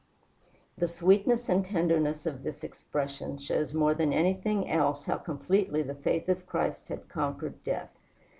The sweetness and tenderness of this expression shows more than anything else how completely the faith of Christ had conquered death.